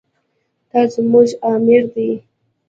دا زموږ امر دی.